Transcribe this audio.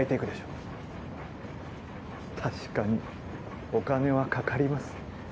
確かにお金はかかります。